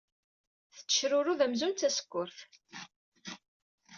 Tettecrurud amzun d tasekkurt.